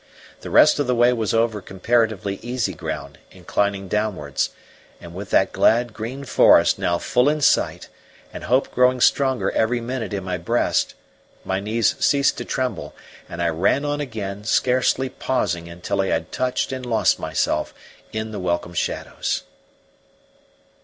The rest of the way was over comparatively easy ground, inclining downwards; and with that glad green forest now full in sight, and hope growing stronger every minute in my breast, my knees ceased to tremble, and I ran on again, scarcely pausing until I had touched and lost myself in the welcome shadows.